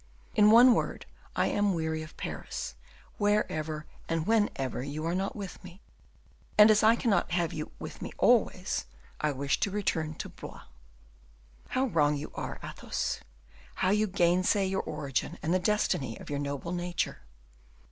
In one word, I am weary of Paris wherever and whenever you are not with me; and as I cannot have you with me always, I wish to return to Blois." "How wrong you are, Athos; how you gainsay your origin and the destiny of your noble nature.